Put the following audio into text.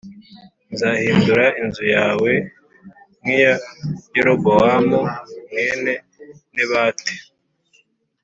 Nzahindura inzu yawe nk’iya Yerobowamu mwene Nebati